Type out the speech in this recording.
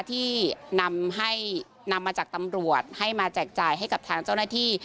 ที่นำให้นำมาจากตำรวจให้มาแจกจ่ายให้กับทางเจ้าหน้าที่